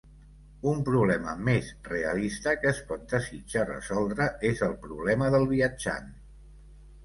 Un problema més realista que es pot desitjar resoldre és el problema del viatjant.